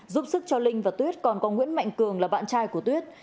giúp sức cho linh và tuyết còn có nguyễn mạnh cường là bạn trai của tuyết